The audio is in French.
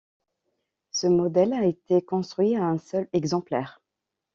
Ce modèle a été construit à un seul exemplaire.